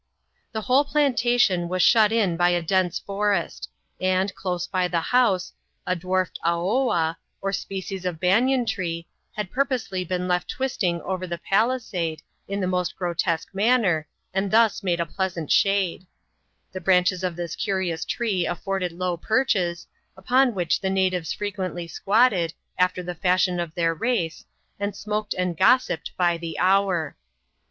The whole plantation was shut in by a dense forest; sad, close by the house, a dwarfed Aoa," or species of banian tree, had purposely been left twisting over the palisade, in the inost grotesque manner, and thus made a pleasant shade, l^e {^ranches of this curious tree afforded low perches, upon which the natives frequently squatted, after the fashion of their race, and sm(^ed and gossiped by the hour.